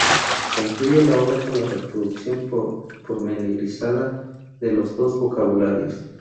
Concluye la obra con la reproducción pormenorizada de los dos vocabularios.